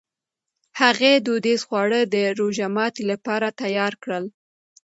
هغې دودیز خواړه د روژهماتي لپاره تیار کړل.